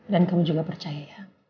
dan kamu juga percaya